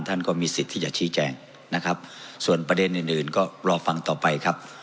ท่านก็มีสิทธิ์ที่จะชี้แจงนะครับส่วนประเด็นอื่นอื่นก็รอฟังต่อไปครับ